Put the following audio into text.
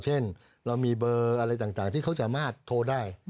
เช่นเรามีเบอร์อะไรต่างที่เขาสามารถโทรได้